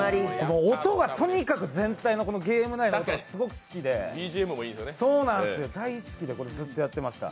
音が、とにかく全体のゲーム内ですごく好きで、大好きでこれずっとやってました。